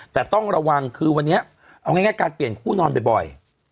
แต่ต้องระวังคือวันนี้เอาง่ายการเปลี่ยนคู่นอนบ่อย